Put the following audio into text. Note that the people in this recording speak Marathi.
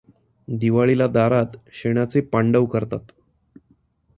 दिवाळीला दारात शेणाचे पांडव करतात.